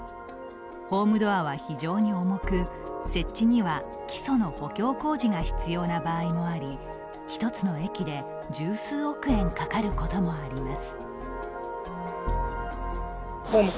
ホームドアは非常に重く設置には、基礎の補強工事が必要な場合もあり１つの駅で十数億円かかることもあります。